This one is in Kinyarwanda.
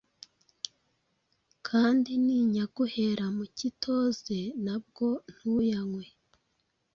kandi ninyaguhera mu kitoze na bwo ntuyanywe !»